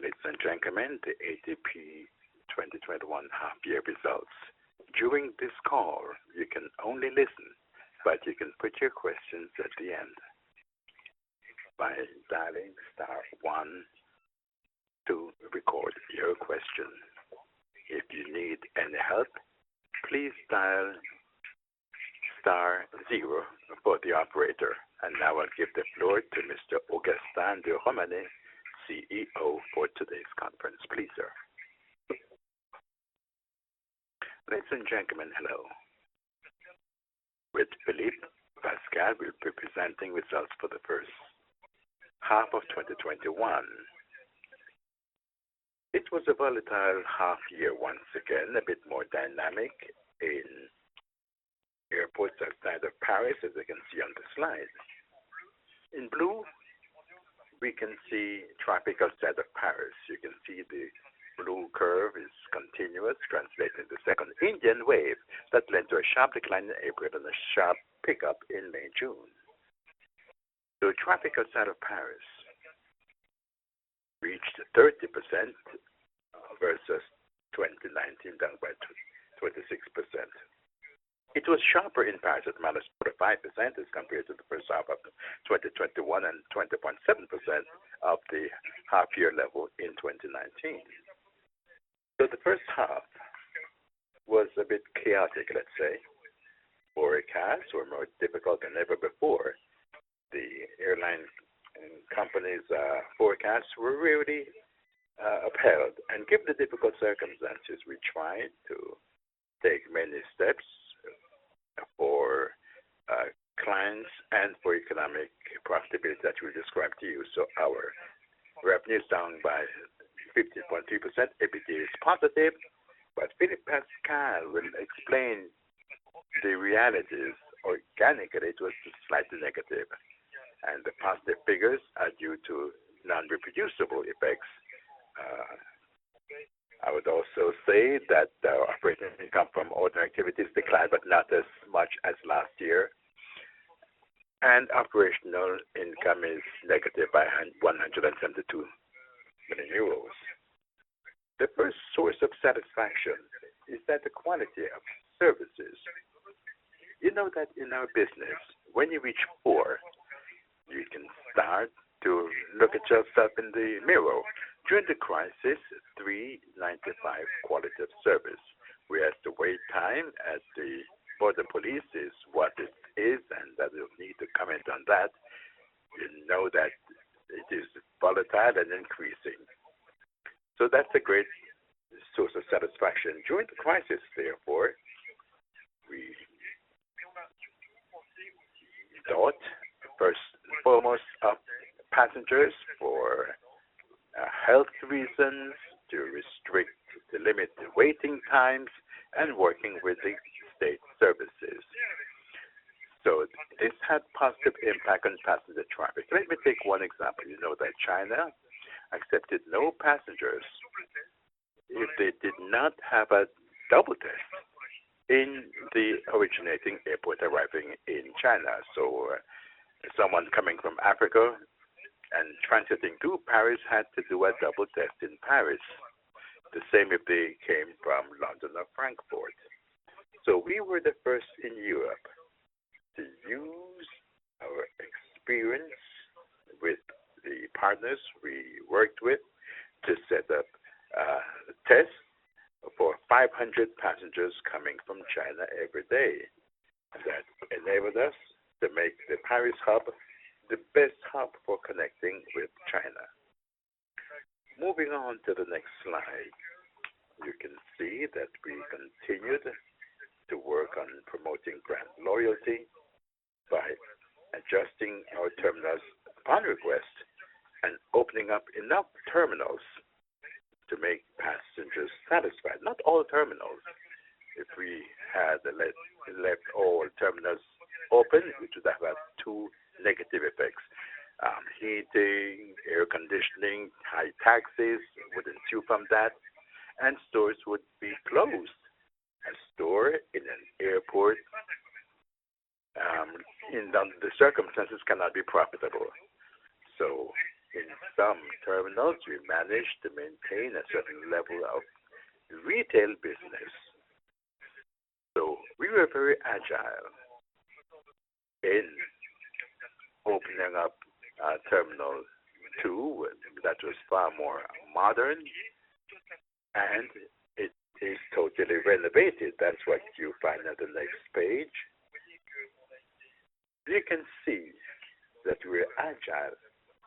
Good morning, ladies and gentlemen, to ADP 2021 Half Year Results. During this call, you can only listen, but you can put your questions at the end by dialing star one to record your question. If you need any help, please dial star zero for the operator. Now I'll give the floor to Mr. Augustin de Romanet, CEO for today's conference. Please, sir. Ladies and gentlemen, hello. With Philippe Pascal, we're presenting results for the first half of 2021. It was a volatile half year once again, a bit more dynamic in airports outside of Paris, as you can see on the slide. In blue, we can see traffic outside of Paris. You can see the blue curve is continuous, translating the second Indian wave that led to a sharp decline in April and a sharp pickup in May, June. Traffic outside of Paris reached 30% versus 2019, down by 26%. It was sharper in Paris at -45% as compared to the first half of 2021 and 20.7% of the half year level in 2019. The first half was a bit chaotic, let's say. Forecasts were more difficult than ever before. The airline and companies' forecasts were really upheld. Given the difficult circumstances, we tried to take many steps for clients and for economic profitability that we described to you. Our revenue is down by 50.3%. EBITDA is positive, but Philippe Pascal will explain the realities organically. It was just slightly negative, and the positive figures are due to non-reproducible effects. I would also say that our operating income from other activities declined, but not as much as last year. Operational income is negative by 172 million euros. The first source of satisfaction is that the quality of services. You know that in our business, when you reach four, you can start to look at yourself in the mirror. During the crisis, 395 quality of service. We had the wait time at the border police is what it is, that we'll need to comment on that. You know that it is volatile and increasing. That's a great source of satisfaction. During the crisis, therefore, we thought first and foremost of passengers for health reasons to restrict, to limit the waiting times and working with the state services. This had positive impact on passenger traffic. Let me take one example. You know that China accepted no passengers if they did not have a double test in the originating airport arriving in China. Someone coming from Africa and transiting through Paris had to do a double test in Paris. The same if they came from London or Frankfurt. We were the first in Europe to use our experience with the partners we worked with to set up a test for 500 passengers coming from China every day. That enabled us to make the Paris hub the best hub for connecting with China. Moving on to the next slide. You can see that we continued to work on promoting brand loyalty by adjusting our terminals upon request and opening up enough terminals to make passengers satisfied. Not all terminals. If we had left all terminals open, which would have had two negative effects: heating, air conditioning, high taxes we would ensue from that, and stores would be closed. A store in an airport under the circumstances cannot be profitable. In some terminals, we managed to maintain a certain level of retail business. We were very agile in opening up Terminal two that was far more modern, and it is totally renovated. That's what you find on the next page. You can see that we're agile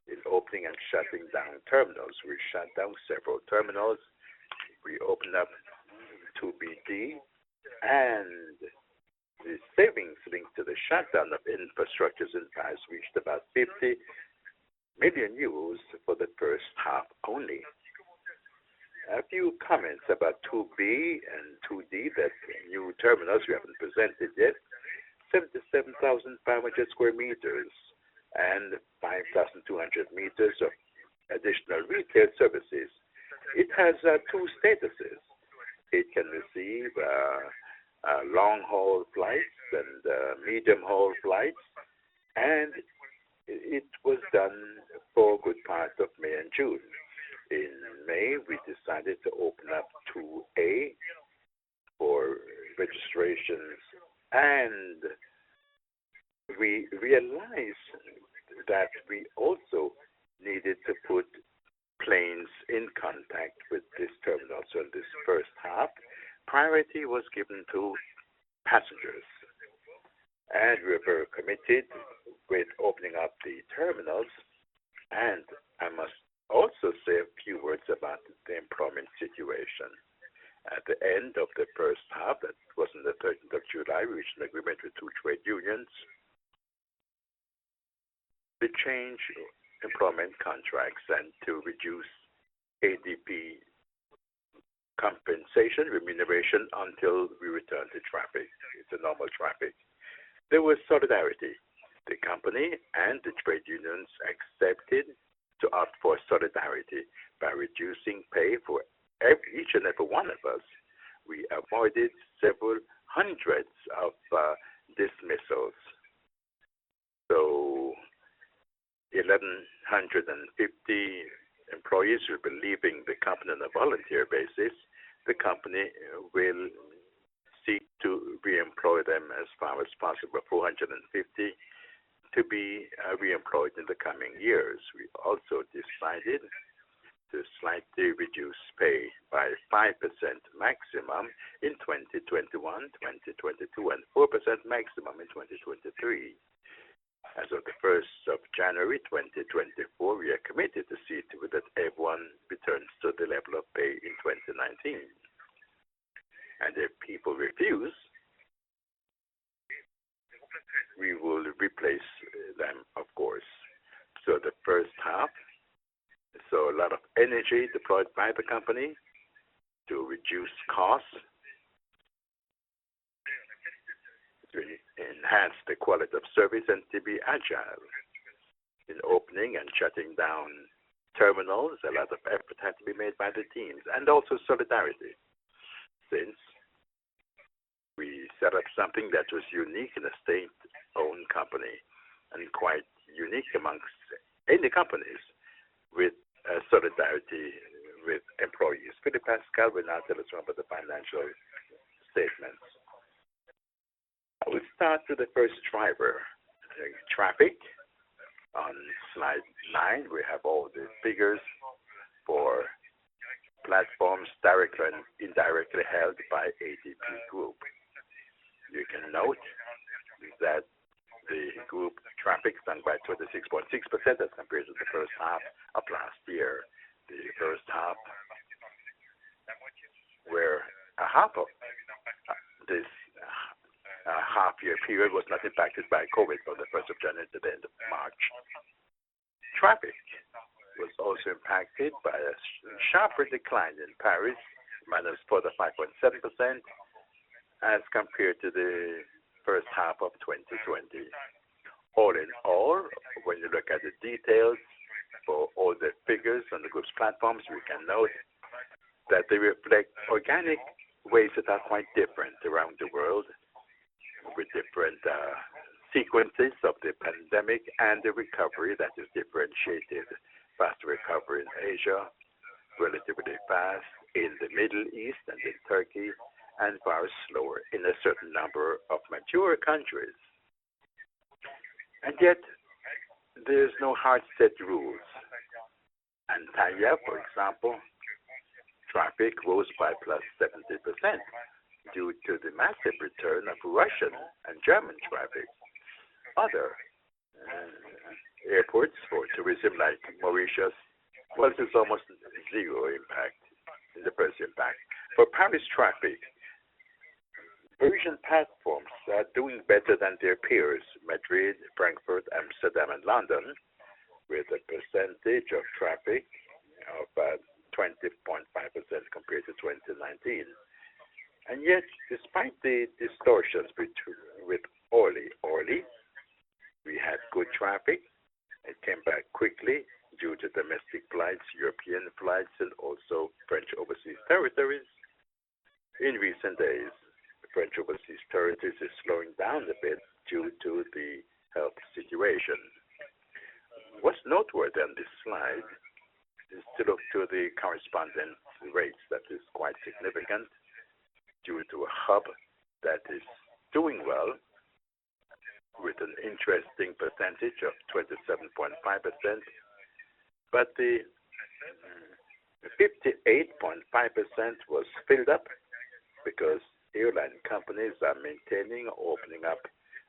in opening and shutting down terminals. We shut down several terminals. We opened up 2BD, and the savings linked to the shutdown of infrastructures and cars reached about 50 million euros for the first half only. A few comments about 2B and 2D, that's new terminals we haven't presented yet. 77,500 sq m and 5,200 m of additional retail services. It has two statuses. It can receive long-haul flights and medium-haul flights, and it was done for a good part of May and June. In May, we decided to open up 2A for registrations. We realized that we also needed to put planes in contact with this terminal. In this first half, priority was given to passengers. We were very committed with opening up the terminals. I must also say a few words about the employment situation. At the end of the first half, that was on the 3rd of July, we reached an agreement with two trade unions to change employment contracts and to reduce ADP compensation remuneration until we return to traffic, the normal traffic. There was solidarity. The company and the trade unions accepted to opt for solidarity by reducing pay for each and every one of us. We avoided several hundreds of dismissals. 1,150 employees will be leaving the company on a volunteer basis. The company will seek to reemploy them as far as possible, 450 to be reemployed in the coming years. We've also decided to slightly reduce pay by 5% maximum in 2021, 2022, and 4% maximum in 2023. As of the 1st of January 2024, we are committed to see to it that everyone returns to the level of pay in 2019. If people refuse, we will replace them, of course. The first half, a lot of energy deployed by the company to reduce costs, to enhance the quality of service, and to be agile in opening and shutting down terminals. A lot of effort had to be made by the teams, and also solidarity, since we set up something that was unique in a state-owned company and quite unique amongst any companies with solidarity with employees. Philippe Pascal will now tell us about the financial statements. We start with the first driver, the traffic. On slide nine, we have all the figures for platforms directly and indirectly held by ADP Group. You can note that the group traffic stand by 26.6% as compared to the first half of last year. The first half where a half of this half-year period was not impacted by COVID-19 from the 1st of January to the end of March. Traffic was also impacted by a sharper decline in Paris, -45.7% as compared to the first half of 2020. All in all, when you look at the details for all the figures on the group's platforms, we can note that they reflect organic rates that are quite different around the world with different sequences of the pandemic and the recovery that is differentiated. Fast recovery in Asia, relatively fast in the Middle East and in Turkey, far slower in a certain number of mature countries. Yet, there's no hard set rules. Antalya, for example, traffic rose by +70% due to the massive return of Russian and German traffic. Other airports for tourism like Mauritius, well, there's almost zero impact in the first impact. For Paris traffic, Parisian platforms are doing better than their peers, Madrid, Frankfurt, Amsterdam, and London, with a percentage of traffic of about 20.5% compared to 2019. Yet, despite the distortions with Orly, we had good traffic. It came back quickly due to domestic flights, European flights, and also French overseas territories. In recent days, French overseas territories is slowing down a bit due to the health situation. What's noteworthy on this slide is to look to the correspondence rates that is quite significant due to a hub that is doing well with an interesting percentage of 27.5%. The 58.5% was filled up because airline companies are maintaining or opening up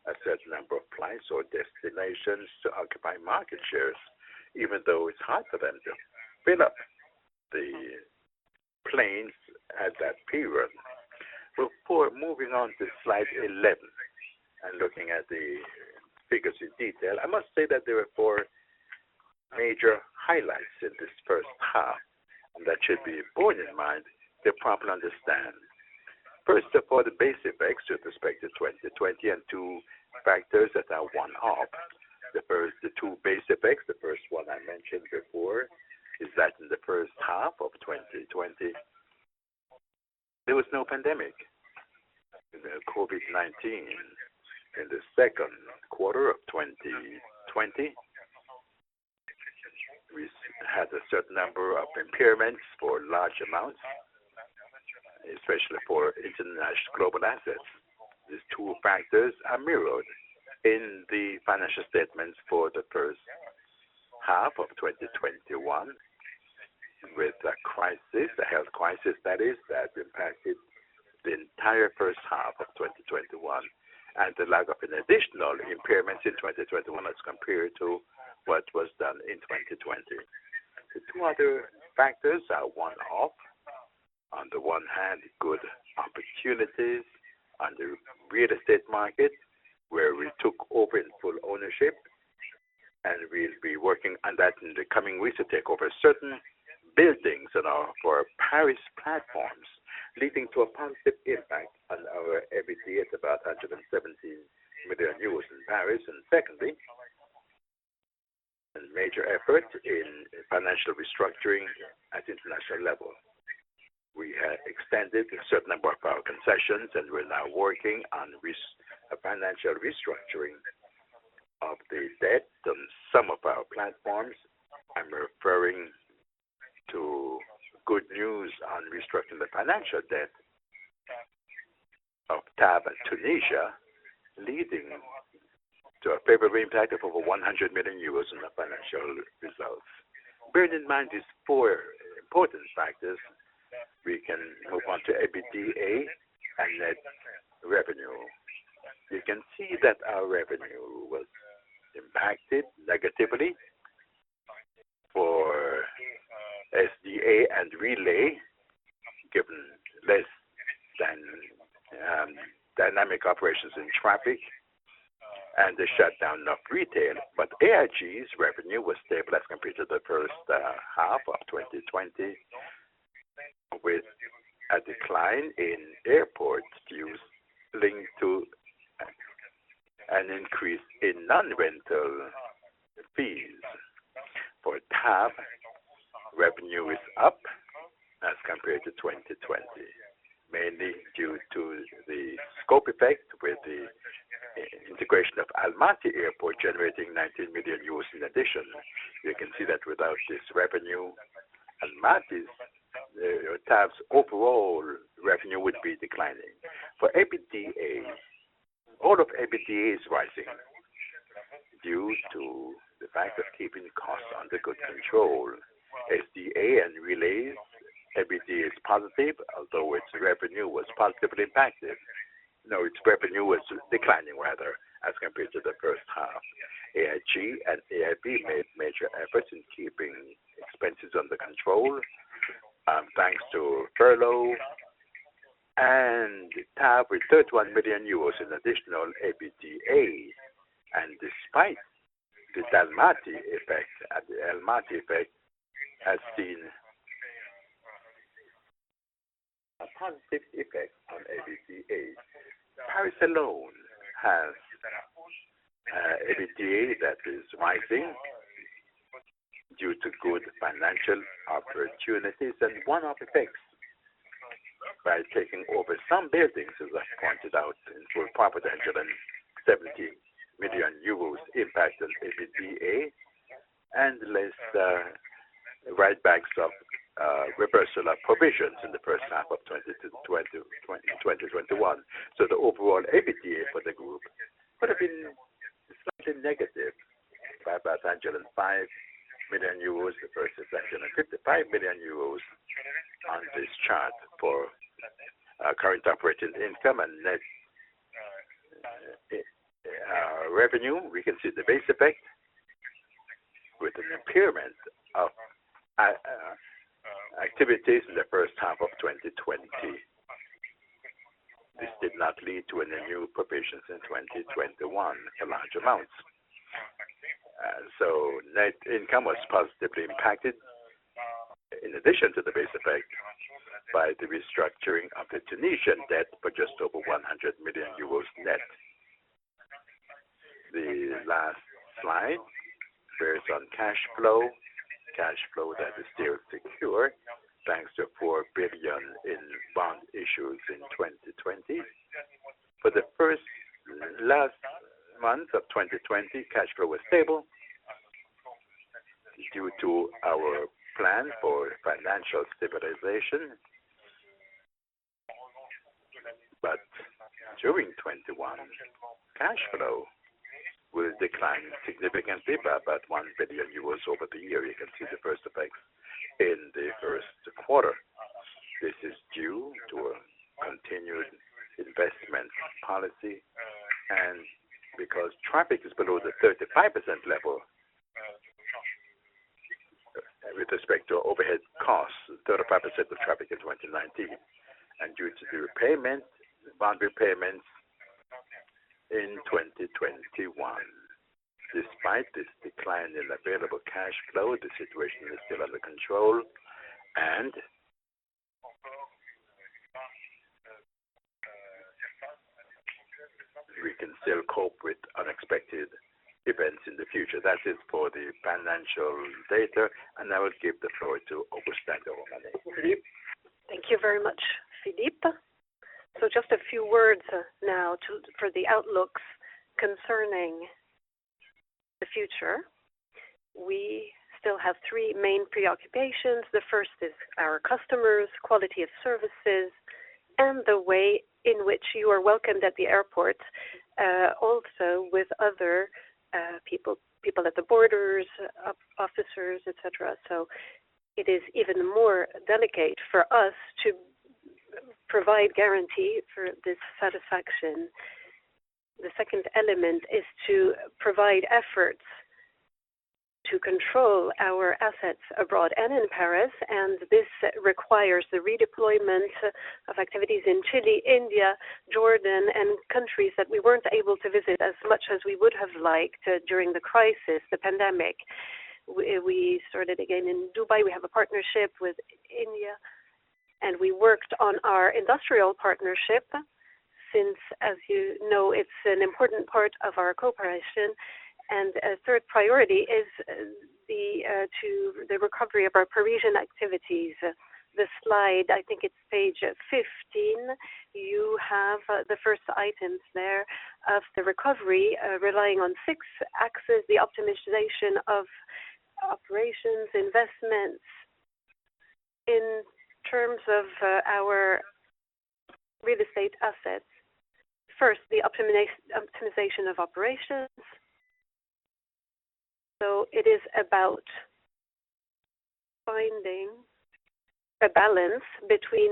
a certain number of flights or destinations to occupy market shares, even though it's harder than to fill up the planes at that period. Before moving on to slide 11 and looking at the figures in detail, I must say that there are four major highlights in this first half that should be borne in mind to properly understand. First of all, the base effects with respect to 2020 and two factors that are one-off. The two base effects, the first one I mentioned before, is that in the first half of 2020, there was no pandemic, the COVID-19. In the Q2 of 2020, we had a certain number of impairments for large amounts, especially for international global assets. These two factors are mirrored in the financial statements for the first half of 2021 with the health crisis that impacted the entire first half of 2021, and the lack of additional impairments in 2021 as compared to what was done in 2020. The two other factors are one-off. On the one hand, good opportunities on the real estate market, where we took over full ownership, and we'll be working on that in the coming weeks to take over certain buildings for our Paris platforms, leading to a positive impact on our EBT of about 170 million euros in Paris. Secondly, a major effort in financial restructuring at international level. We have extended a certain number of our concessions, and we're now working on financial restructuring of the debt on some of our platforms. I'm referring to good news on restructuring the financial debt of TAV and Tunisia, leading to a favorable impact of over 100 million euros in the financial results. Bearing in mind these four important factors, we can move on to EBITDA and net revenue. You can see that our revenue was impacted negatively for SDA and Relay, given less than dynamic operations in traffic and the shutdown of retail. AIG's revenue was stable as compared to the first half of 2020, with a decline in airport use linked to an increase in non-rental fees. For TAV, revenue is up as compared to 2020, mainly due to the scope effect with the integration of Almaty Airport, generating 90 million euros. You can see that without this revenue, Almaty's, TAV's overall revenue would be declining. For EBITDA, all of EBITDA is rising due to the fact of keeping costs under good control. SDA and Relay, EBITDA is positive, although its revenue was positively impacted. No, its revenue was declining rather, as compared to the first half. AIG and ADP made major efforts in keeping expenses under control, thanks to furlough and TAV with EUR 31 million in additional EBITDA. Despite this, Almaty effect has seen a positive effect on EBITDA. Paris alone has EBITDA that is rising due to good financial opportunities and one-off effects by taking over some buildings, as I pointed out, in full profit, 170 million euros impact on EBITDA, and less write-backs of reversal of provisions in the first half of 2021. The overall EBITDA for the group would have been slightly negative by about 5 million euros versus 155 million euros on this chart for current operating income and net revenue. We can see the base effect with the impairment of activities in the first half of 2020. This did not lead to a new provision since 2021 in large amounts. Net income was positively impacted in addition to the base effect by the restructuring of the Tunisian debt for just over 100 million euros net. The last slide bears on cash flow, cash flow that is still secure thanks to 4 billion in bond issues in 2020. For the last month of 2020, cash flow was stable due to our plan for financial stabilization. During 2021, cash flow will decline significantly by about 1 billion euros over the year. You can see the first effects in the Q1. This is due to a continued investment policy and because traffic is below the 35% level with respect to overhead costs, 35% of traffic in 2019, and due to the bond repayments in 2021. Despite this decline in available cash flow, the situation is still under control, and we can still cope with unexpected events in the future. That is for the financial data, and I will give the floor to Augustin de Romanet. Thank you very much, Philippe. Just a few words now for the outlooks concerning the future. We still have three main preoccupations. The first is our customers' quality of services and the way in which you are welcomed at the airport, also with other people at the borders, officers, et cetera. It is even more delicate for us to provide guarantee for this satisfaction. The second element is to provide efforts to control our assets abroad and in Paris, and this requires the redeployment of activities in Chile, India, Jordan, and countries that we weren't able to visit as much as we would have liked during the crisis, the pandemic. We started again in Dubai. We have a partnership with India, and we worked on our industrial partnership since, as you know, it's an important part of our cooperation. A third priority is the recovery of our Parisian activities. The slide, I think it's page 15, you have the first items there of the recovery, relying on six axes: the optimization of operations, investments in terms of our real estate assets. First, the optimization of operations. It is about finding a balance between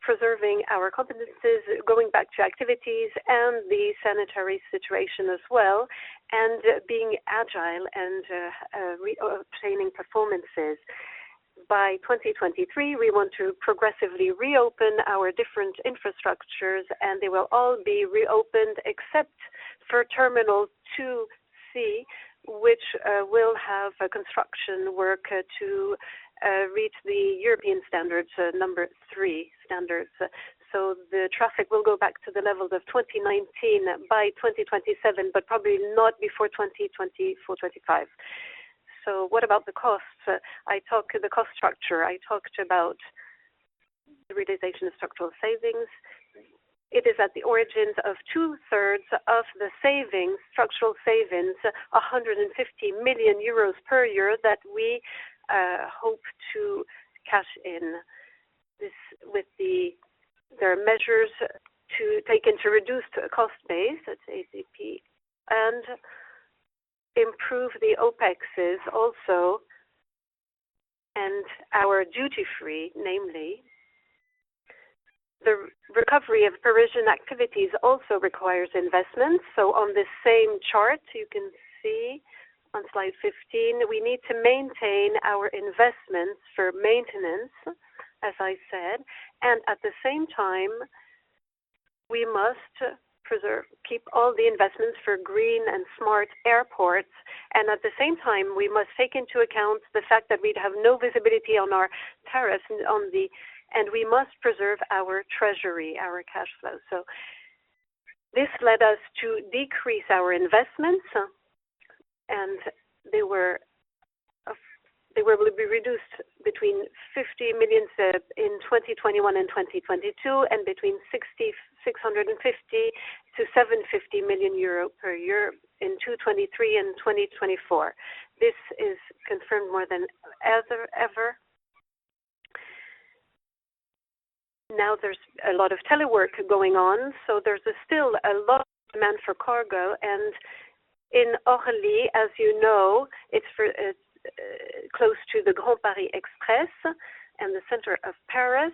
preserving our competencies, going back to activities, and the sanitary situation as well, and being agile and obtaining performances. By 2023, we want to progressively reopen our different infrastructures, and they will all be reopened except for Terminal 2C, which will have a construction work to reach the European Standard 3 standards. The traffic will go back to the levels of 2019 by 2027, but probably not before 2024, 2025. What about the costs? I talk the cost structure. I talked about the realization of structural savings. It is at the origins of two-thirds of the structural savings, 150 million euros per year that we hope to cash in. There are measures taken to reduce cost base, that's ADP, and improve the OpExs also, and our duty-free namely. The recovery of Parisian activities also requires investments. On the same chart, you can see on slide 15, we need to maintain our investments for maintenance, as I said, and at the same time, we must keep all the investments for green and smart airports. At the same time, we must take into account the fact that we'd have no visibility on our tariffs, and we must preserve our treasury, our cash flow. This led us to decrease our investments, and they will be reduced between 50 million in 2021 and 2022 and between 650 million-750 million euro per year in 2023 and 2024. This is confirmed more than ever. Now there's a lot of telework going on, so there's still a lot of demand for cargo, and in Orly, as you know, it's close to the Grand Paris Express and the center of Paris.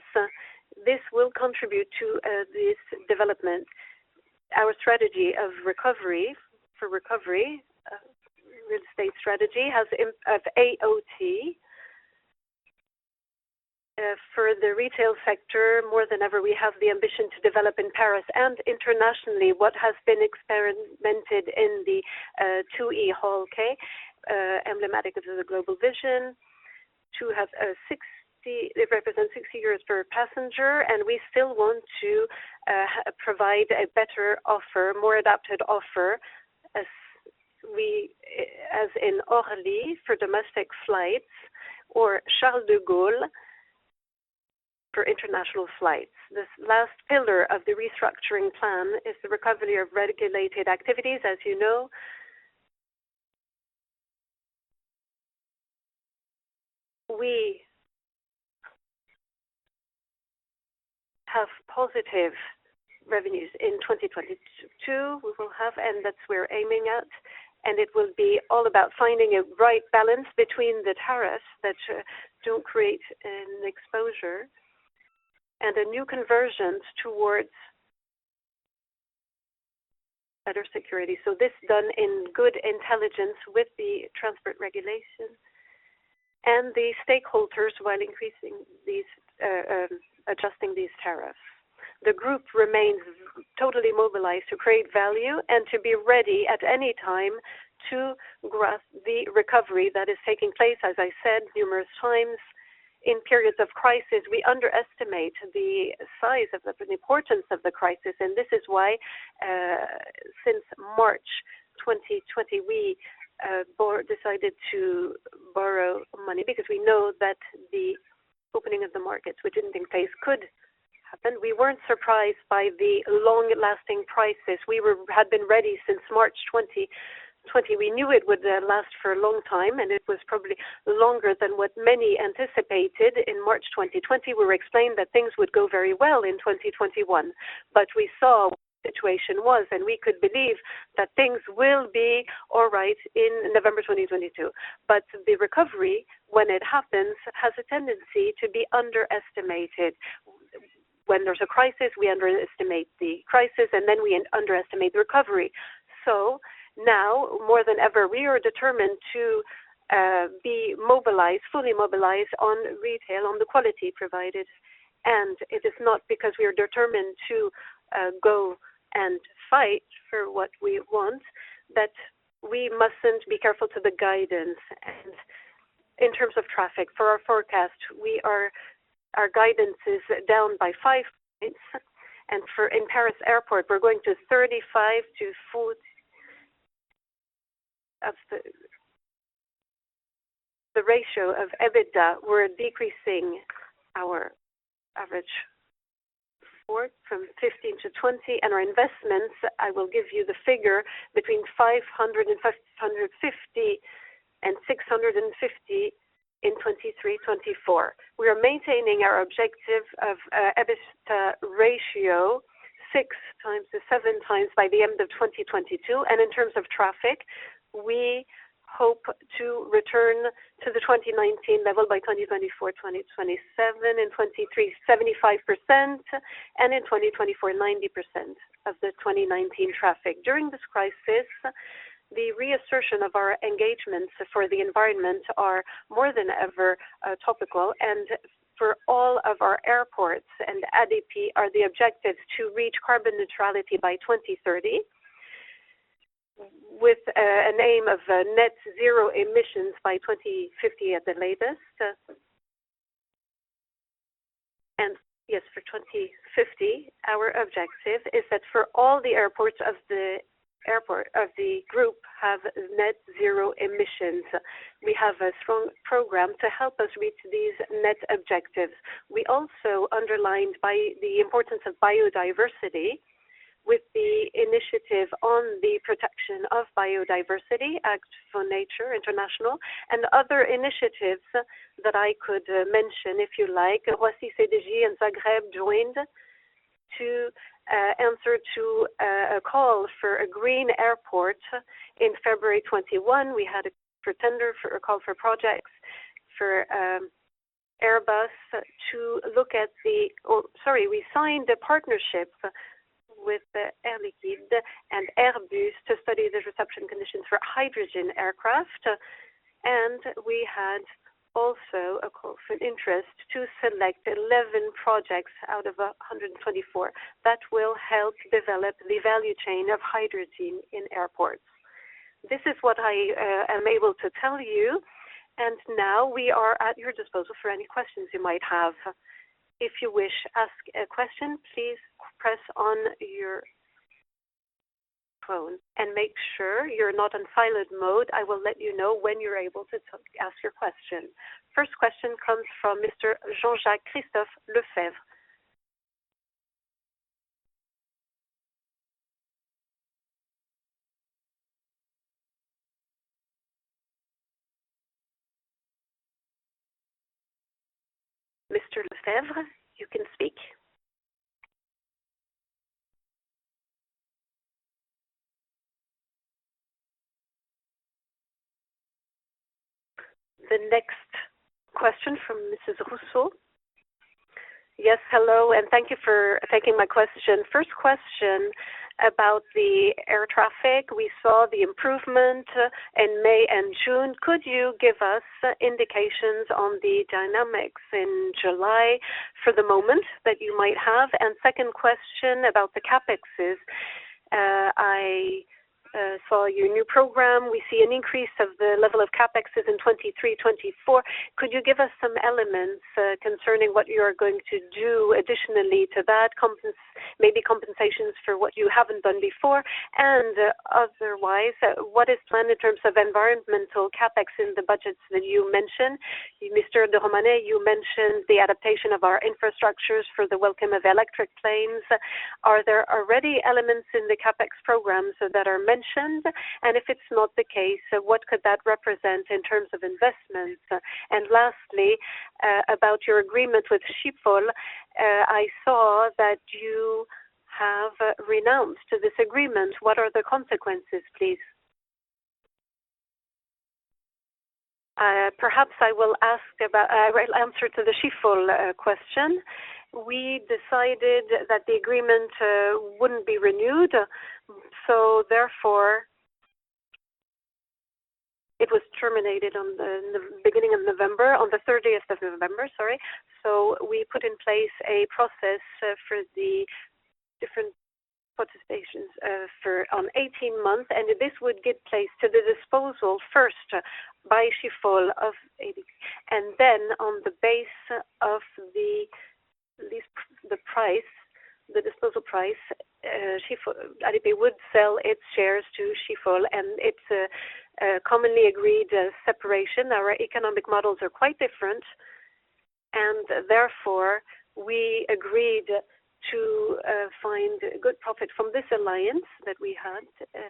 This will contribute to this development. Our strategy of recovery, real estate strategy has AOT. For the retail sector, more than ever, we have the ambition to develop in Paris and internationally what has been experimented in the 2E Hall K, emblematic of the global vision. It represents six figures per passenger, and we still want to provide a better offer, more adapted offer, as in Orly for domestic flights or Charles de Gaulle for international flights. This last pillar of the restructuring plan is the recovery of regulated activities. As you know, we have positive revenues in 2022, we will have, and that's we're aiming at, and it will be all about finding a right balance between the tariffs that don't create an exposure and the new conversions towards better security. This done in good intelligence with the transport regulation and the stakeholders while increasing, adjusting these tariffs. The group remains totally mobilized to create value and to be ready at any time to grasp the recovery that is taking place. As I said numerous times, in periods of crisis, we underestimate the size of and the importance of the crisis, and this is why, since March 2020, we decided to borrow money because we know that the opening of the markets we didn't think could happen. We weren't surprised by the long-lasting crisis. We had been ready since March 2020. We knew it would last for a long time, and it was probably longer than what many anticipated. In March 2020, we were explained that things would go very well in 2021, but we saw what the situation was, and we could believe that things will be all right in November 2022. The recovery, when it happens, has a tendency to be underestimated. When there's a crisis, we underestimate the crisis, and then we underestimate the recovery. Now, more than ever, we are determined to be fully mobilized on retail, on the quality provided, and it is not because we are determined to go and fight for what we want that we mustn't be careful to the guidance. In terms of traffic for our forecast, our guidance is down by 5 basis points, and in Aéroports de Paris, we're going to 35-40 of the ratio of EBITDA. We're decreasing our average support from 15-20, our investments, I will give you the figure, between 550 million and 650 million in 2023, 2024. We are maintaining our objective of EBITDA ratio 6x to 7x by the end of 2022. In terms of traffic, we hope to return to the 2019 level by 2024, 2027. In 2023, 75%, in 2024, 90% of the 2019 traffic. During this crisis, the reassertion of our engagements for the environment are more than ever topical. For all of our airports and ADP are the objectives to reach carbon neutrality by 2030, with a aim of net zero emissions by 2050 at the latest. Yes, for 2050, our objective is that for all the airports of the group have net zero emissions. We have a strong program to help us reach these net objectives. We also underlined by the importance of biodiversity with the initiative on the protection of biodiversity, act4nature international, and other initiatives that I could mention, if you like. Roissy-CDG and Zagreb joined to answer to a call for a green airport in February 2021. We had a call for projects for Airbus. We signed a partnership with Air Liquide and Airbus to study the reception conditions for hydrogen aircraft. We had also a call for interest to select 11 projects out of 124 that will help develop the value chain of hydrogen in airports. This is what I am able to tell you, and now we are at your disposal for any questions you might have. If you wish to ask a question, please press on your phone and make sure you're not on silent mode. I will let you know when you're able to ask your question. First question comes from Mr. Jean-Jacques Christophe Lefevre. Mr. Lefevre, you can speak. The next question from Mrs. Rousseau. Yes. Hello, and thank you for taking my question. First question about the air traffic. We saw the improvement in May and June. Could you give us indications on the dynamics in July for the moment that you might have? Second question about the CapExes. I saw your new program. We see an increase of the level of CapExes in 2023, 2024. Could you give us some elements concerning what you are going to do additionally to that, maybe compensations for what you haven't done before? Otherwise, what is planned in terms of environmental CapEx in the budgets that you mentioned? Mr. de Romanet, you mentioned the adaptation of our infrastructures for the welcome of electric planes. Are there already elements in the CapEx programs that are mentioned? If it's not the case, what could that represent in terms of investments? Lastly, about your agreement with Schiphol, I saw that you have renounced to this agreement. What are the consequences, please? Perhaps I will answer to the Schiphol question. We decided that the agreement wouldn't be renewed. It was therefore terminated on the beginning of November, on the 30th of November, sorry. We put in place a process for the different participations for on 18 months, and this would get placed to the disposal first by Schiphol of ADP. Then on the base of the disposal price, ADP would sell its shares to Schiphol, and it's a commonly agreed separation. Our economic models are quite different, and therefore, we agreed to find good profit from this alliance that we had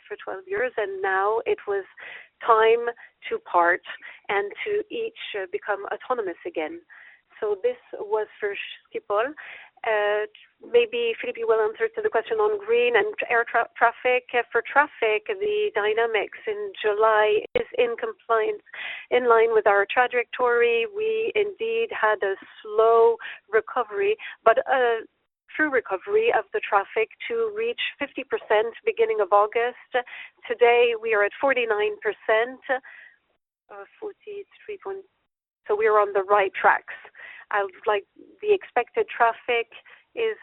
for 12 years, and now it was time to part and to each become autonomous again. This was for Schiphol. Maybe Philippe will answer to the question on green and air traffic. For traffic, the dynamics in July is in line with our trajectory. We indeed had a slow recovery, but a true recovery of the traffic to reach 50% beginning of August. Today, we are at 49%, so we are on the right tracks. The expected traffic is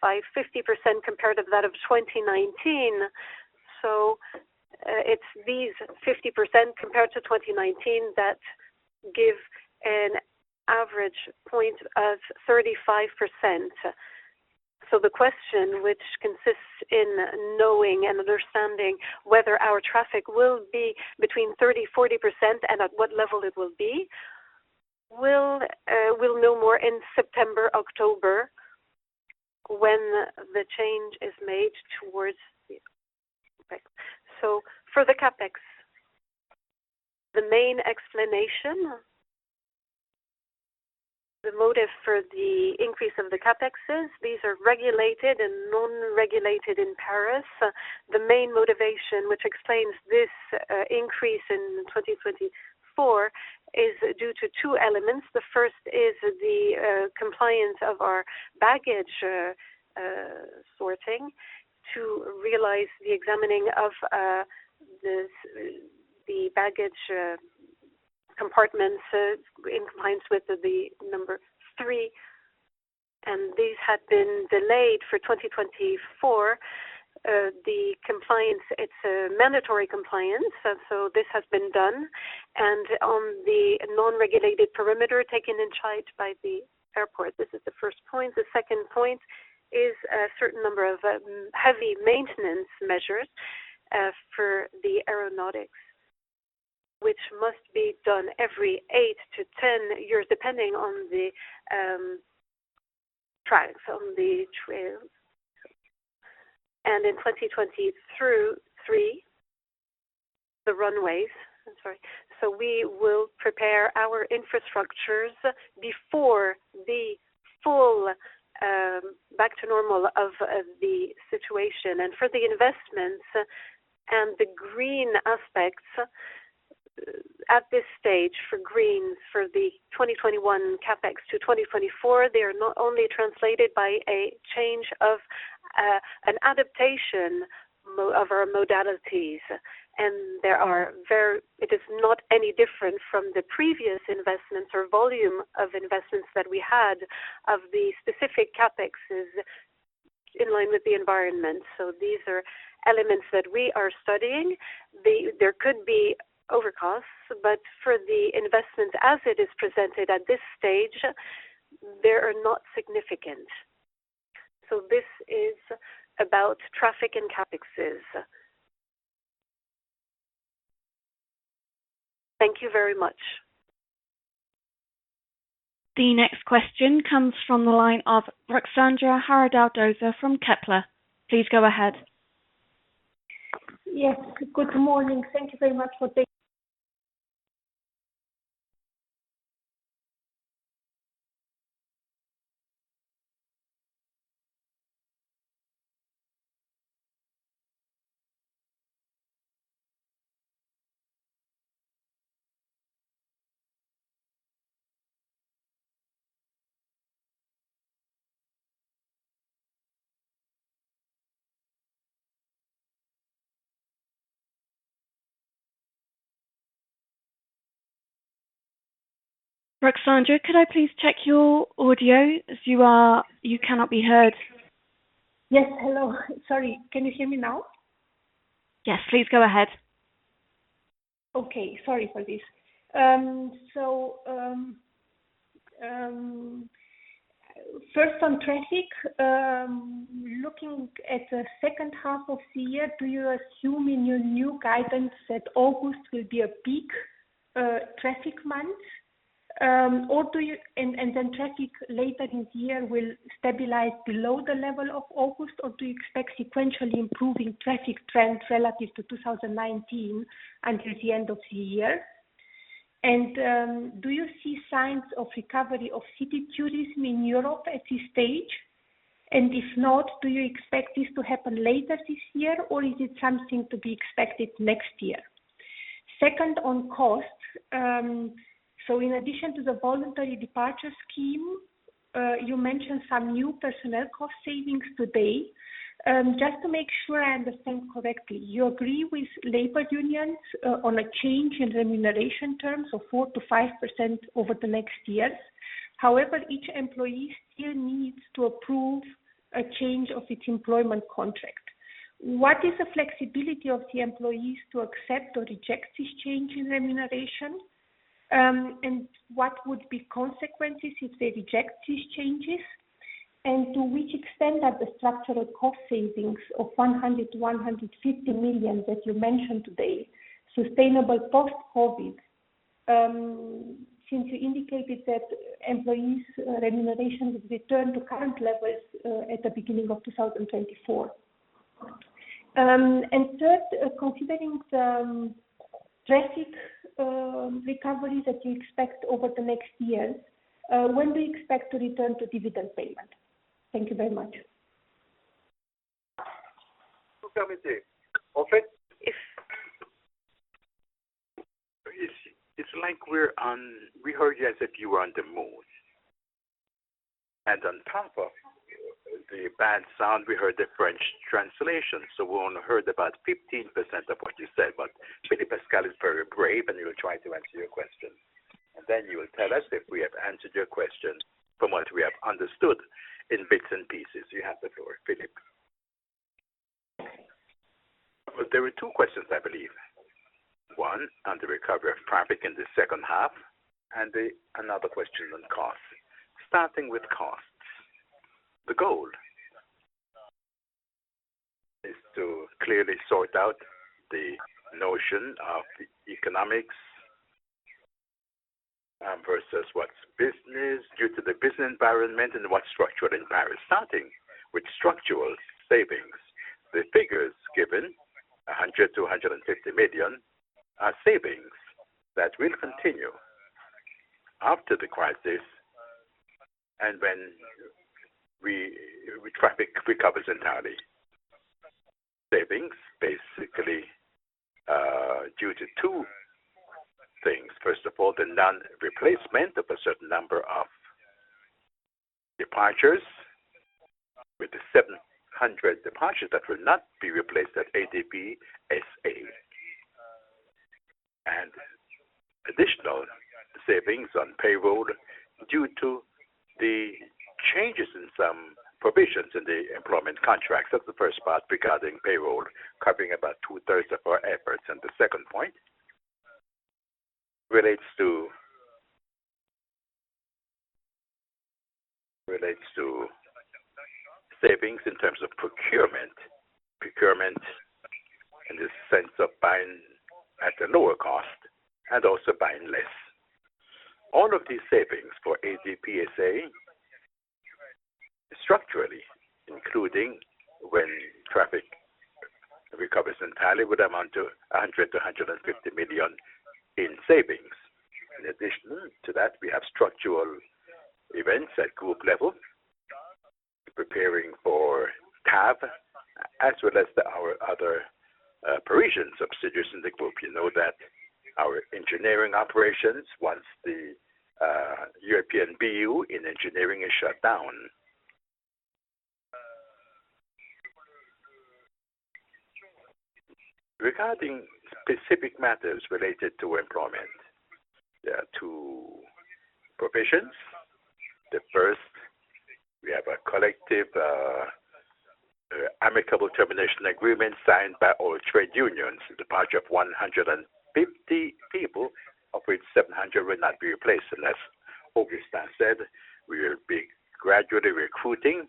by 50% compared of that of 2019. It's these 50% compared to 2019 that give an average point of 35%. The question, which consists in knowing and understanding whether our traffic will be between 30%, 40% and at what level it will be, we'll know more in September, October, when the change is made towards the CapEx. For the CapEx, the main explanation, the motive for the increase of the CapEx, these are regulated and non-regulated in Paris. The main motivation, which explains this increase in 2024, is due to two elements. The first is the compliance of our baggage sorting to realize the examining of the baggage compartments in compliance with the Standard 3, and these had been delayed for 2024. The compliance, it's a mandatory compliance, this has been done. On the non-regulated perimeter taken in charge by the airport, this is the first point. The second point is a certain number of heavy maintenance measures for the aeronautics, which must be done every eight to 10 years, depending on the tracks, on the trails. In 2023, the runways. I'm sorry. We will prepare our infrastructures before the full back to normal of the situation. For the investments and the green aspects, at this stage, for green, for the 2021 CapEx to 2024, they are not only translated by a change of an adaptation of our modalities. It is not any different from the previous investments or volume of investments that we had of the specific CapExes in line with the environment. These are elements that we are studying. There could be overcosts, but for the investment as it is presented at this stage, they are not significant. This is about traffic and CapExes. Thank you very much. The next question comes from the line of Ruxandra Haradau-Döser from Kepler. Please go ahead. Yes. Good morning. Thank you very much for this- Ruxandra, could I please check your audio, as you cannot be heard. Yes, hello. Sorry, can you hear me now? Yes, please go ahead. Okay. Sorry for this. First on traffic. Looking at the second half of the year, do you assume in your new guidance that August will be a peak traffic month, and then traffic later this year will stabilize below the level of August? Or do you expect sequentially improving traffic trends relative to 2019 until the end of the year? And do you see signs of recovery of city tourism in Europe at this stage? And if not, do you expect this to happen later this year, or is it something to be expected next year? second, on costs. In addition to the voluntary departure scheme, you mentioned some new personnel cost savings today. Just to make sure I understand correctly, you agree with labor unions on a change in remuneration terms of 4%-5% over the next years. However, each employee still needs to approve a change of its employment contract. What is the flexibility of the employees to accept or reject this change in remuneration? What would be consequences if they reject these changes? To which extent are the structural cost savings of 100 million-150 million that you mentioned today, sustainable post-COVID, since you indicated that employees' remuneration would return to current levels at the beginning of 2024? Third, considering the drastic recovery that you expect over the next years, when do you expect to return to dividend payment? Thank you very much. Who got me there? Murphree? Yes. It's like we heard you as if you were on the moon. On top of the bad sound, we heard the French translation, so we only heard about 15% of what you said. Philippe Pascal is very brave, and he will try to answer your question. You will tell us if we have answered your question from what we have understood in bits and pieces. You have the floor, Philippe. There were two questions, I believe. One, on the recovery of traffic in the second half, another question on costs. Starting with costs. The goal is to clearly sort out the notion of economics versus what's business due to the business environment and what structural environment. Starting with structural savings. The figures given, 100 million-150 million, are savings that will continue after the crisis and when traffic recovers entirely. Savings, basically, due to two things. First of all, the non-replacement of a certain number of departures, with the 700 departures that will not be replaced at ADP SA. Additional savings on payroll due to the changes in some provisions in the employment contracts. That's the first part regarding payroll, covering about two-thirds of our efforts. The second point relates to savings in terms of procurement. Procurement in the sense of buying at a lower cost and also buying less. All of these savings for ADP SA, structurally, including when traffic recovers entirely, would amount to 100 million to 150 million in savings. In addition to that, we have structural events at group level, preparing for TAV, as well as our other Parisian subsidiaries in the group. You know that our engineering operations, once the European BU in engineering is shut down. Regarding specific matters related to employment, there are two provisions. The first, we have a collective amicable termination agreement signed by all trade unions. The departure of 150 people, of which 700 will not be replaced, unless Augustin said, we will be gradually recruiting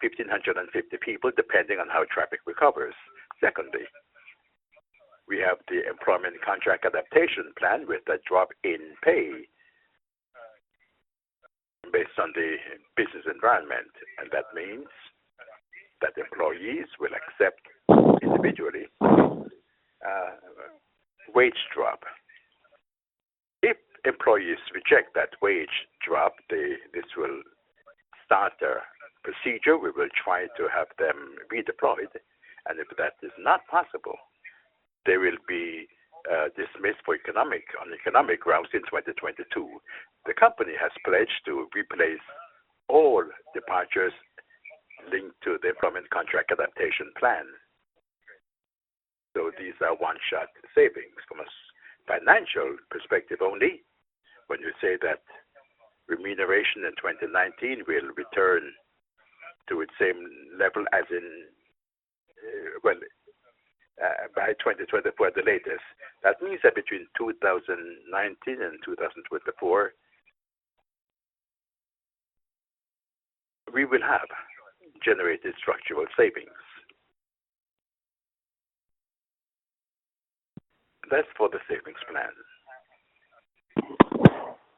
1,550 people, depending on how traffic recovers. Secondly, we have the employment contract adaptation plan with a drop in pay based on the business environment, that means that employees will accept individually a wage drop. If employees reject that wage drop, this will start a procedure. We will try to have them redeployed, if that is not possible, they will be dismissed on economic grounds in 2022. The company has pledged to replace all departures linked to the employment contract adaptation plan. These are one-shot savings from a financial perspective only. When you say that remuneration in 2019 will return to its same level by 2024 the latest, that means that between 2019 and 2024, we will have generated structural savings. That's for the savings plan.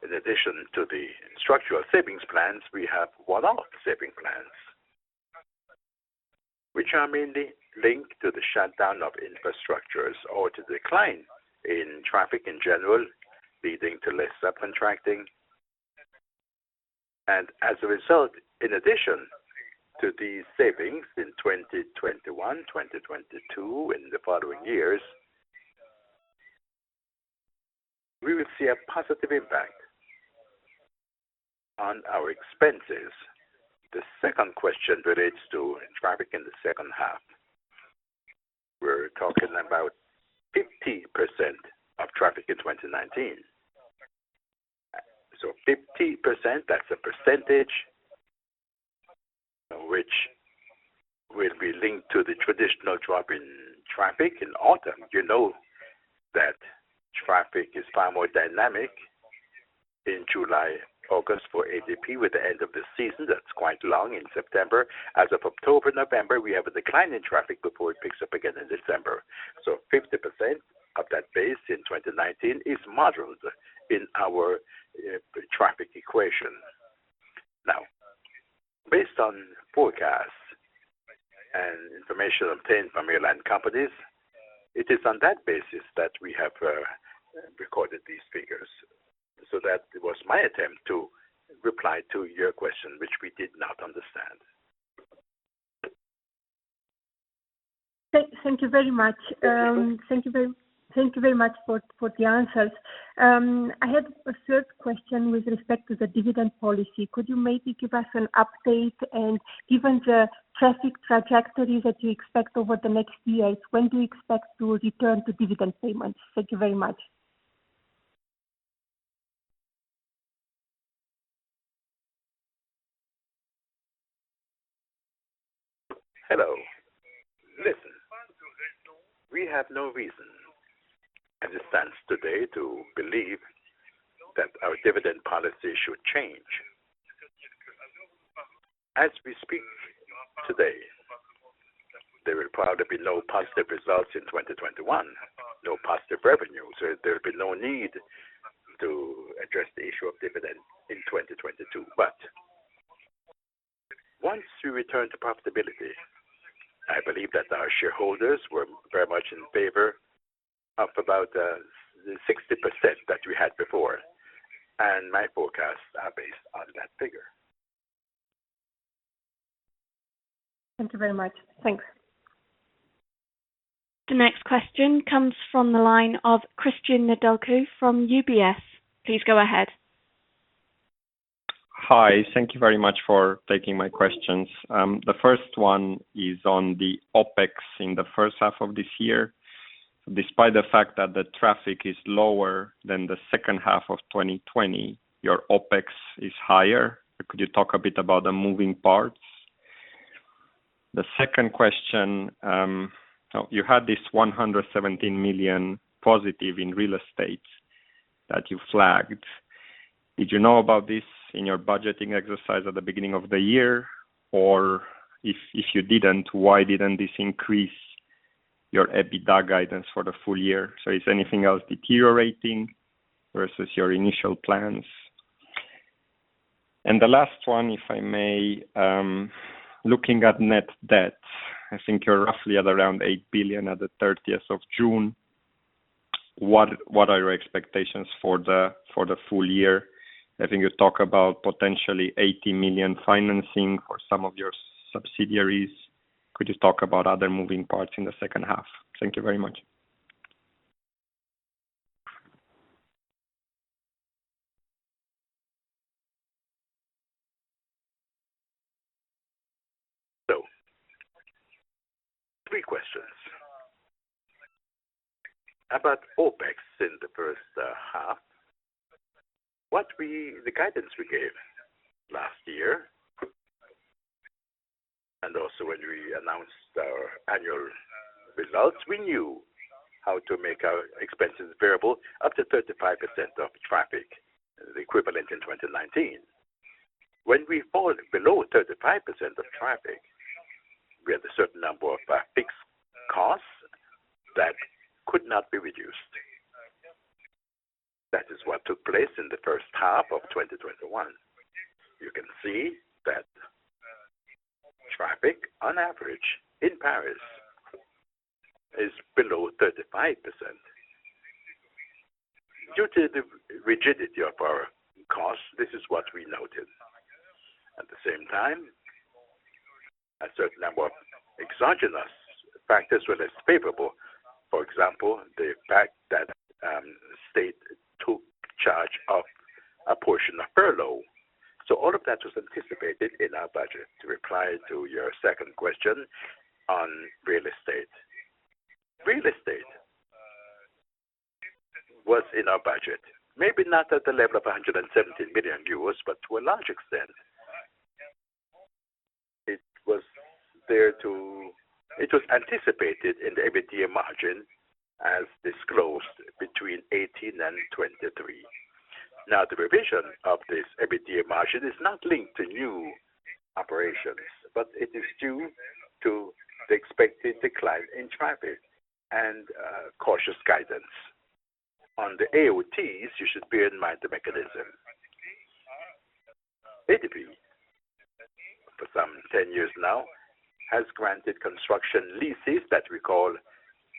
In addition to the structural savings plans, we have one-off savings plans, which are mainly linked to the shutdown of infrastructures or to decline in traffic in general, leading to less subcontracting. As a result, in addition to these savings in 2021, 2022, and the following years, we will see a positive impact on our expenses. The second question relates to traffic in the second half. We're talking about 50% of traffic in 2019. 50%, that's a percentage which will be linked to the traditional drop in traffic in autumn. You know that traffic is far more dynamic in July, August for ADP with the end of the season, that's quite long, in September. As of October, November, we have a decline in traffic before it picks up again in December. 50% of that base in 2019 is modeled in our traffic equation. Now, based on forecasts and information obtained from airline companies, it is on that basis that we have recorded these figures. That was my attempt to reply to your question, which we did not understand. Thank you very much. Thank you very much for the answers. I had a third question with respect to the dividend policy. Could you maybe give us an update? Given the traffic trajectory that you expect over the next years, when do you expect to return to dividend payments? Thank you very much. Hello. Listen, we have no reason as it stands today to believe that our dividend policy should change. As we speak today, there will probably be no positive results in 2021, no positive revenue, so there will be no need to address the issue of dividend in 2022. Once we return to profitability, I believe that our shareholders were very much in favor of about the 60% that we had before, and my forecasts are based on that figure. Thank you very much. Thanks. The next question comes from the line of Cristian Nedelcu from UBS. Please go ahead. Hi. Thank you very much for taking my questions. The first one is on the OpEx in the first half of this year. Despite the fact that the traffic is lower than the second half of 2020, your OpEx is higher. Could you talk a bit about the moving parts? The second question, you had this 117 million positive in real estate that you flagged. Did you know about this in your budgeting exercise at the beginning of the year? If you didn't, why didn't this increase your EBITDA guidance for the full year? Is anything else deteriorating versus your initial plans? The last one, if I may, looking at net debt, I think you're roughly at around 8 billion at the 30th of June. What are your expectations for the full year? I think you talk about potentially 80 million financing for some of your subsidiaries. Could you talk about other moving parts in the second half? Thank you very much. Three questions. About OpEx in the first half, the guidance we gave last year, and also when we announced our annual results, we knew how to make our expenses variable up to 35% of traffic, the equivalent in 2019. When we fall below 35% of traffic, we have a certain number of fixed costs that could not be reduced. That is what took place in the first half of 2021. You can see that traffic, on average, in Paris, is below 35%. Due to the rigidity of our costs, this is what we noted. At the same time, a certain number of exogenous factors were less favorable. For example, the fact that state took charge of a portion of furlough. All of that was anticipated in our budget. To reply to your second question on real estate. Real estate was in our budget, maybe not at the level of 117 million euros, but to a large extent. It was anticipated in the EBITDA margin as disclosed between 18% and 23%. The revision of this EBITDA margin is not linked to new operations, but it is due to the expected decline in traffic and cautious guidance. On the AOTs, you should bear in mind the mechanism. For some 10 years now, ADP has granted construction leases that we call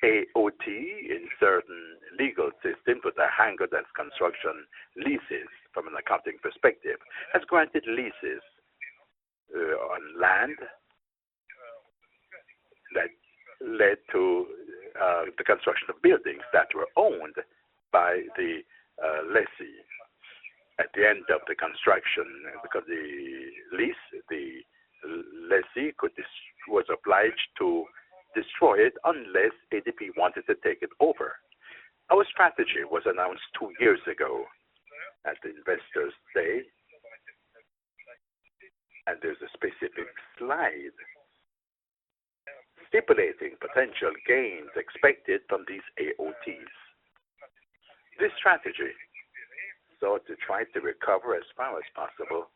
AOT in certain legal systems, but they are hangars and construction leases from an accounting perspective. ADP has granted leases on land that led to the construction of buildings that were owned by the lessee at the end of the construction, because the lease, the lessee was obliged to destroy it unless ADP wanted to take it over. Our strategy was announced two years ago at the investors day. There's a specific slide stipulating potential gains expected from these AOTs. This strategy sought to try to recover as far as possible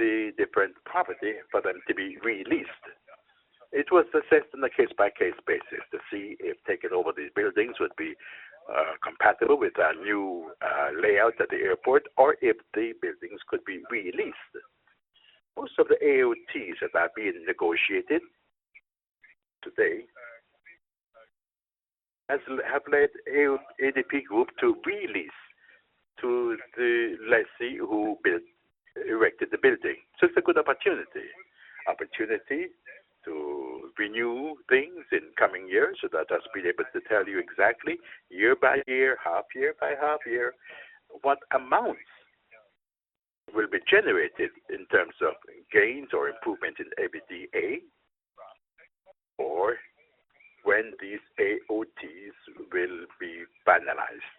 the different property for them to be re-leased. It was assessed on a case-by-case basis to see if taking over these buildings would be compatible with our new layout at the airport, or if the buildings could be re-leased. Most of the AOTs that are being negotiated today have led ADP Group to re-lease to the lessee who erected the building. It's a good opportunity to renew things in coming years so that us being able to tell you exactly year by year, half year by half year, what amounts will be generated in terms of gains or improvement in EBITDA, or when these AOTs will be finalized.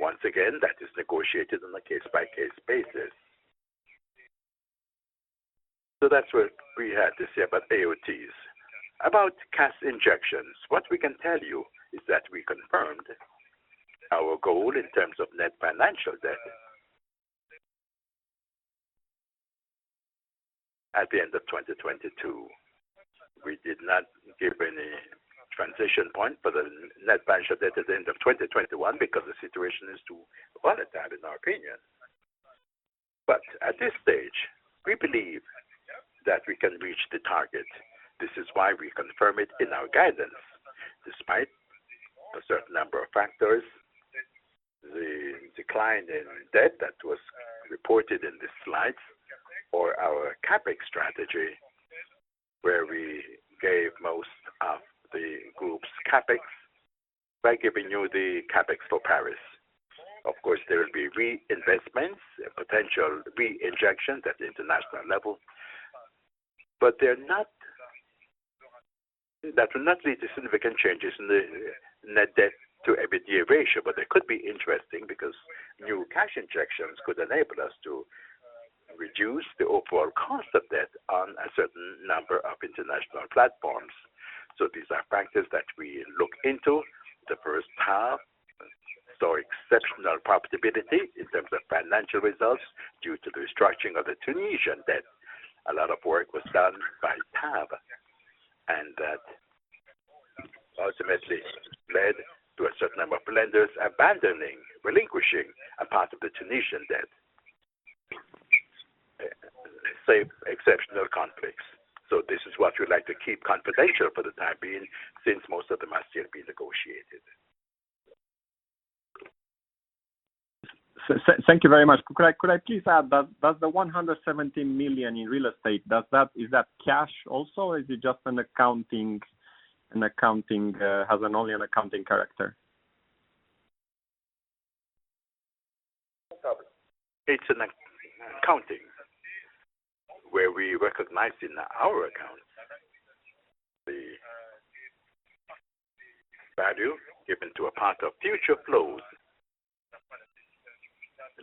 Once again, that is negotiated on a case-by-case basis. That's what we had to say about AOTs. About cash injections, what we can tell you is that we confirmed our goal in terms of net financial debt at the end of 2022. We did not give any transition point for the net financial debt at the end of 2021 because the situation is too volatile, in our opinion. At this stage, we believe that we can reach the target. This is why we confirm it in our guidance, despite a certain number of factors, the decline in debt that was reported in this slide, or our CapEx strategy, where we gave most of the group's CapEx by giving you the CapEx for Paris. Of course, there will be reinvestments, potential reinjections at the international level. That will not lead to significant changes in the net debt to EBITDA ratio, but they could be interesting because new cash injections could enable us to reduce the overall cost of debt on a certain number of international platforms. The first half saw exceptional profitability in terms of financial results due to the restructuring of the Tunisian debt. A lot of work was done by TAV, and that ultimately led to a certain number of lenders abandoning, relinquishing, a part of the Tunisian debt. Same exceptional conflicts. This is what we'd like to keep confidential for the time being, since most of them are still being negotiated. Thank you very much. Could I please add, does the 117 million in real estate, is that cash also, or is it just an accounting, has only an accounting character? It's an accounting, where we recognize in our accounts the value given to a part of future flows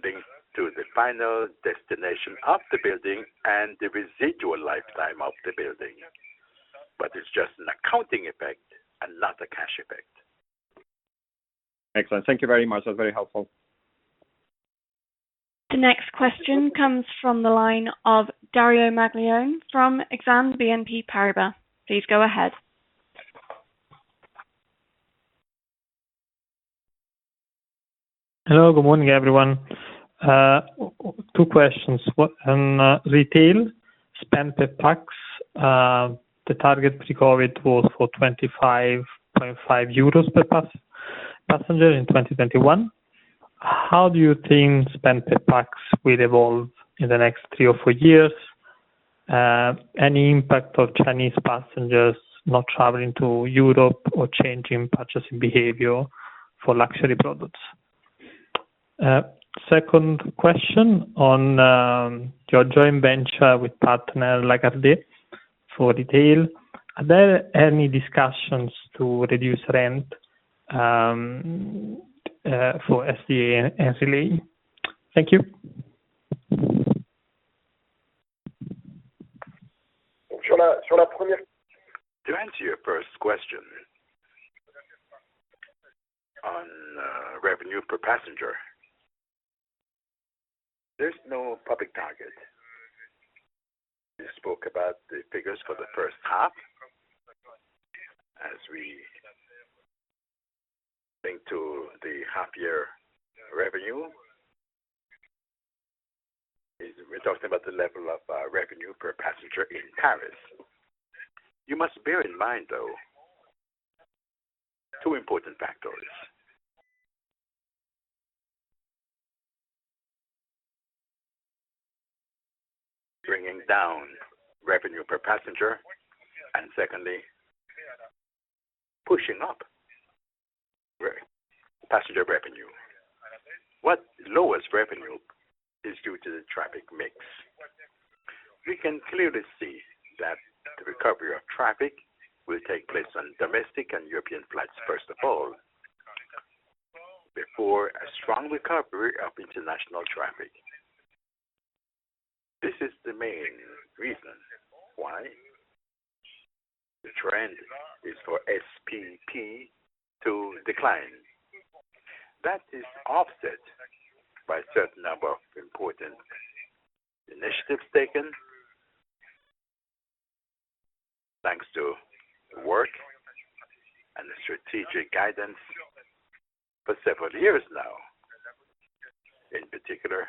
linked to the final destination of the building and the residual lifetime of the building. It's just an accounting effect and not a cash effect. Excellent. Thank you very much. That's very helpful. The next question comes from the line of Dario Maglione from Exane BNP Paribas. Please go ahead. Hello. Good morning, everyone. Two questions. One, retail spend per pax. The target pre-COVID was for 25.5 euros per passenger in 2021. How do you think spend per pax will evolve in the next three or four years? Any impact of Chinese passengers not traveling to Europe or change in purchasing behavior for luxury products? Second question on your joint venture with partner Lagardère for retail. Are there any discussions to reduce rent for SDA and SLA? Thank you. To answer your first question on revenue per passenger, there's no public target. We spoke about the figures for the first half as we think to half year revenue. We're talking about the level of revenue per passenger in Paris. You must bear in mind, though, two important factors: bringing down revenue per passenger and secondly, pushing up passenger revenue. What lowers revenue is due to the traffic mix. We can clearly see that the recovery of traffic will take place on domestic and European flights, first of all, before a strong recovery of international traffic. This is the main reason why the trend is for SPP to decline. That is offset by a certain number of important initiatives taken, thanks to the work and the strategic guidance for several years now. In particular,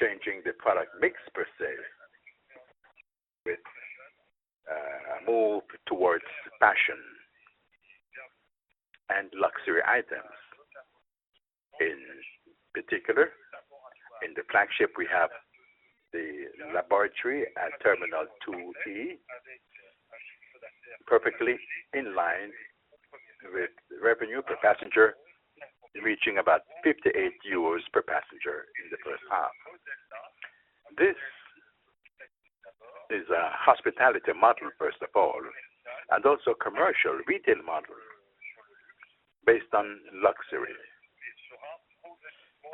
changing the product mix per se, with a move towards fashion and luxury items. In particular, in the flagship, we have the laboratory at Terminal 2E, perfectly in line with revenue per passenger, reaching about 58 euros per passenger in the first half. This is a hospitality model, first of all, and also commercial retail model based on luxury,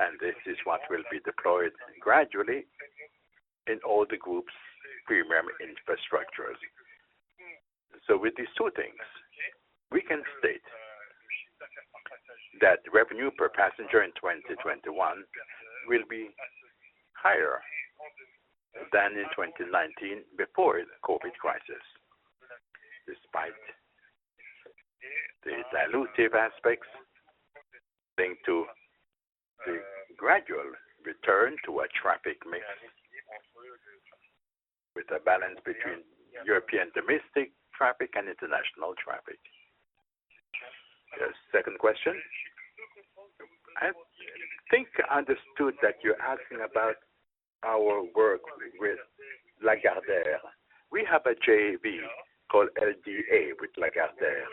and this is what will be deployed gradually in all the Group's premium infrastructures. With these two things, we can state that revenue per passenger in 2021 will be higher than in 2019 before the COVID crisis, despite the dilutive aspects linked to the gradual return to a traffic mix, with a balance between European domestic traffic and international traffic. Your second question? I think I understood that you're asking about our work with Lagardère. We have a JV called SDA with Lagardère.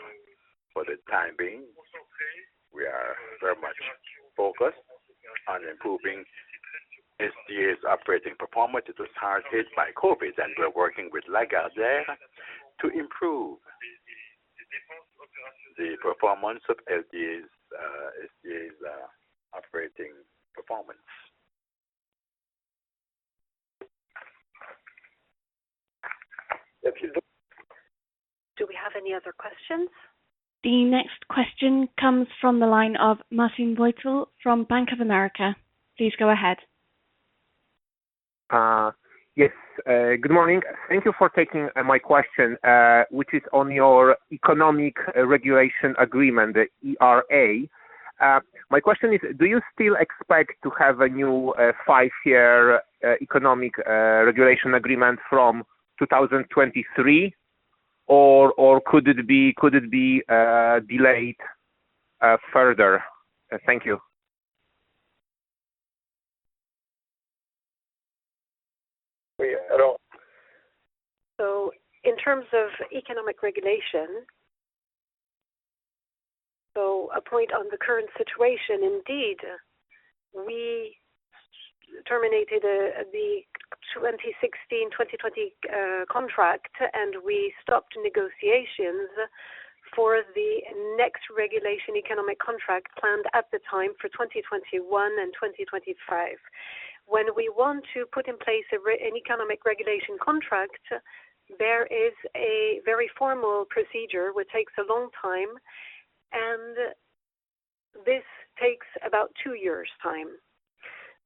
For the time being, we are very much focused on improving SDA's operating performance. It was hard hit by COVID, and we're working with Lagardère to improve the performance of SDA's operating performance. Do we have any other questions? The next question comes from the line of Marcin Wojtal from Bank of America. Please go ahead. Yes. Good morning. Thank you for taking my question, which is on your economic regulation agreement, the ERA. My question is, do you still expect to have a new five-year economic regulation agreement from 2023, or could it be delayed further? Thank you. In terms of economic regulation, a point on the current situation, indeed, we terminated the 2016-2020 contract, and we stopped negotiations for the next regulation economic contract planned at the time for 2021 and 2025. When we want to put in place an economic regulation contract, there is a very formal procedure which takes a long time, and this takes about two years' time.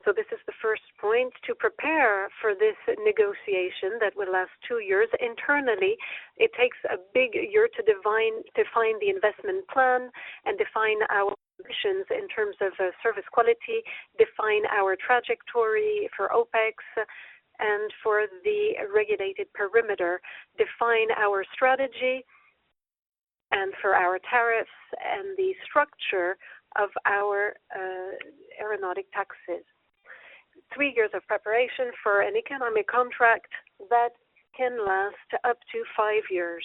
This is the first point to prepare for this negotiation that will last two years. Internally, it takes a big year to define the investment plan and define our missions in terms of service quality, define our trajectory for OpEx and for the regulated perimeter, define our strategy and for our tariffs and the structure of our aeronautic taxes. Three years of preparation for an economic contract that can last up to five years.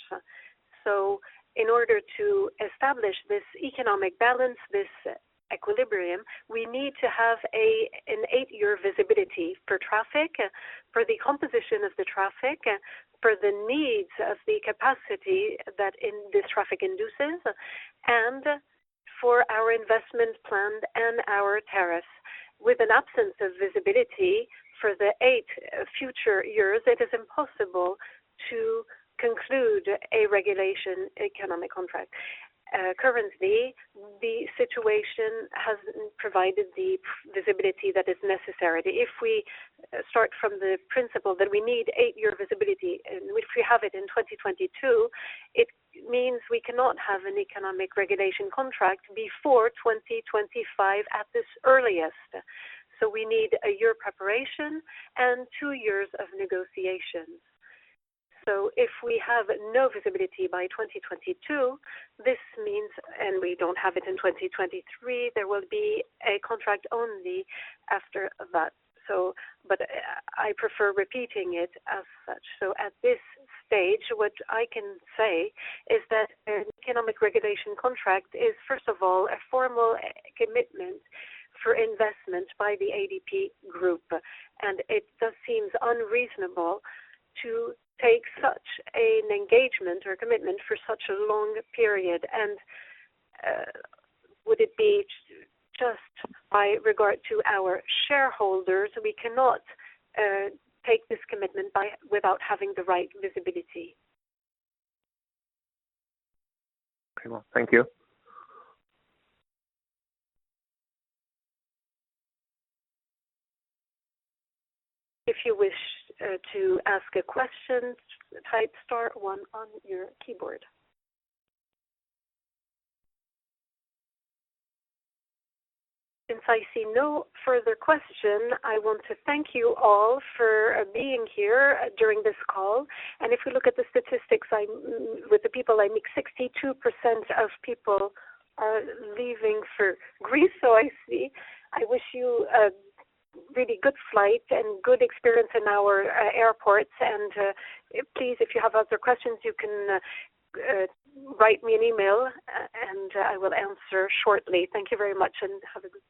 In order to establish this economic balance, this equilibrium, we need to have an eight-year visibility for traffic, for the composition of the traffic, for the needs of the capacity that this traffic induces, and for our investment plan and our tariffs. With an absence of visibility for the eight future years, it is impossible to conclude a regulation economic contract. The situation hasn't provided the visibility that is necessary. If we start from the principle that we need eight-year visibility, and if we have it in 2022, it means we cannot have an economic regulation contract before 2025 at the earliest. We need a year preparation and two years of negotiations. If we have no visibility by 2022, and we don't have it in 2023, there will be a contract only after that. I prefer repeating it as such. At this stage, what I can say is that an economic regulation contract is first of all, a formal commitment for investment by the ADP Group. It does seem unreasonable to take such an engagement or commitment for such a long period. Would it be just by regard to our shareholders, we cannot take this commitment without having the right visibility. Okay. Well, thank you. If you wish to ask a question type star one on your keyboard. Since I see no further question, I want to thank you all for being here during this call. If we look at the statistics with the people I meet, 62% of people are leaving for Greece, so I see. I wish you a really good flight and good experience in our airports. Please, if you have other questions, you can write me an email and I will answer shortly. Thank you very much and have a good day.